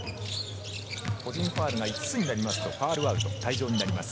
個人ファウルが５つになりますとファウルアウト、退場になります。